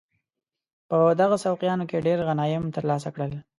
په دغو سوقیانو کې ډېر غنایم ترلاسه کړل.